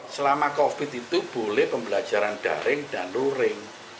selama covid itu boleh pembelajaran daring dan luring